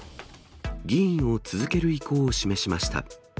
議員を続ける意向を示しました。